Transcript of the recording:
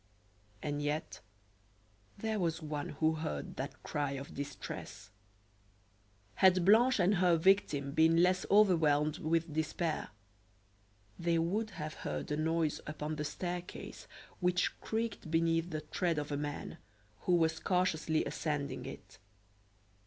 And yet, there was one who heard that cry of distress. Had Blanche and her victim been less overwhelmed with despair, they would have heard a noise upon the staircase which creaked beneath the tread of a man who was cautiously ascending it.